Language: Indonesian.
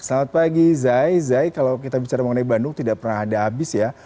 selamat pagi zai zai kalau kita bicara mengenai bandung tidak pernah ada habis ya